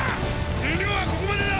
燃料はここまでだ！！